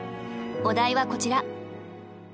お題はこちら。